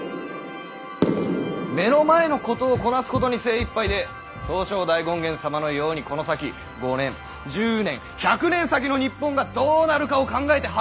目の前のことをこなすことに精いっぱいで東照大権現様のようにこの先５年１０年１００年先の日本がどうなるかを考えて励んでる者が一人もいない。